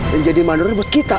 yang jadi maner buat kita